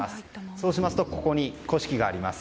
そうしますとここにこし器があります。